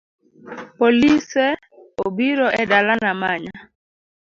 Polise obiro e dalana manya